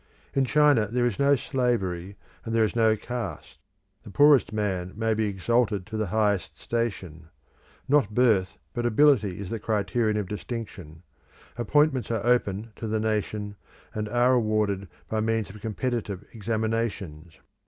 In China there is no slavery, and there is no caste; the poorest man may be exalted to the highest station; not birth but ability is the criterion of distinction; appointments are open to the nation, and are awarded by means of competitive examinations.